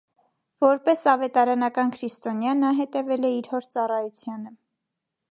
Որպես ավետարանական քրիստոնյա՝ նա հետևել է իր հոր ծառայությանը։